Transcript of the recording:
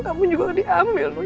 kamu juga diambil noh